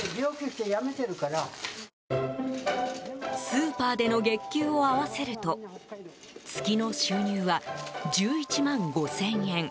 スーパーでの月給を合わせると月の収入は１１万５０００円。